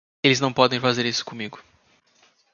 Eles não podem fazer isso comigo!